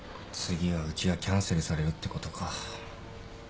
次はうちがキャンセルされるってことか。